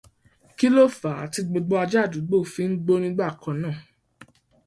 Kí ló fàá tí gbogbo ajá àdúgbò fi ń gbó nígbà kan náà.